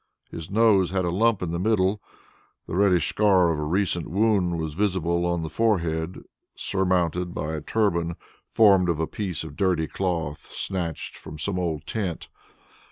The nose had a lump in the middle; the reddish scar of a recent wound was visible on the forehead surmounted by a turban formed of a piece of dirty cloth snatched from some old tent.